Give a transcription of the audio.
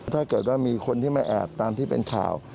ถ้าเกิดว่ามีคนที่มาแอบตามที่เป็นข่าว